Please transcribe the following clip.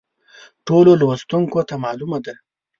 ټولو لوستونکو ته معلومه ده.